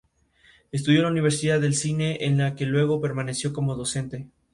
Es integrante de una familia portuguesa.